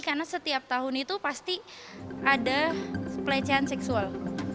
karena setiap tahun itu pasti ada pelecehan seksual